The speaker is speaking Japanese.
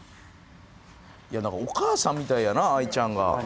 なんかお母さんみたいやな愛ちゃんが。